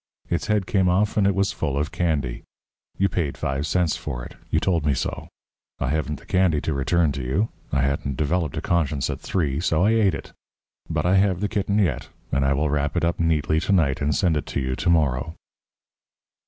Its head came off and it was full of candy. You paid five cents for it you told me so. I haven't the candy to return to you I hadn't developed a conscience at three, so I ate it. But I have the kitten yet, and I will wrap it up neatly to night and send it to you to morrow."